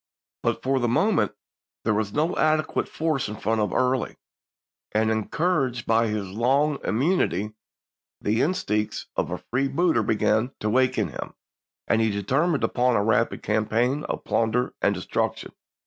But for the moment there was no adequate force in front of Early, and encouraged by his long im munity, the instincts of a freebooter began to wake in him, and he determined upon a rapid campaign of plunder and destruction.